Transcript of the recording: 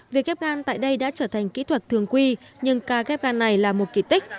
việc ghép gan tại đây đã trở thành kỹ thuật thường quy nhưng ca ghép gan này là một kỳ tích